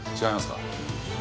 違いますか？